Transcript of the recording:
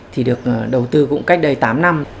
thì được đầu tư cũng cách đây tám năm